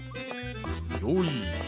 よいしょ。